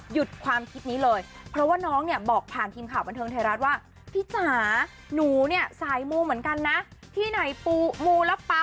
หยุดความคิดนี้เลยเพราะว่าน้องเนี่ยบอกผ่านคลิมข่าวบรรเทิงไทยรัฐว่า